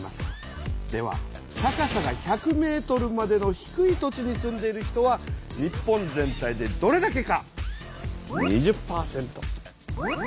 では高さが１００ｍまでの低い土地に住んでいる人は日本全体でどれだけか？